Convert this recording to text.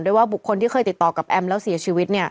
ว่าบุคคลที่เคยติดต่อกับแอมแล้วเสียชีวิต